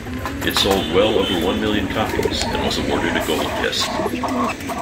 It sold well over one million copies, and was awarded a gold disc.